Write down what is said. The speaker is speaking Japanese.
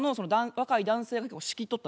若い男性が？